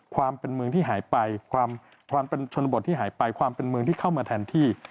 ความเป็นเมืองที่หายไปความเป็นชนบทที่หายไปความเป็นเมืองที่เข้ามาแทนที่